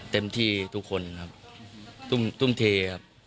เต็มที่ทุกคนครับทุ่มเทครับ